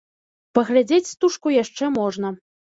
Паглядзець стужку яшчэ можна.